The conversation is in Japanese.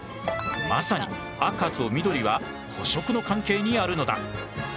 まさに赤と緑は補色の関係にあるのだ。